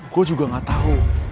gue juga gak tau